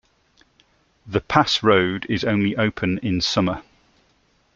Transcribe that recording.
The pass road is only open in summer.